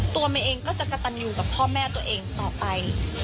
เมย์เองก็จะกระตันอยู่กับพ่อแม่ตัวเองต่อไป